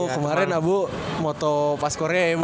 kemaren abu moto pas korea ya emang ya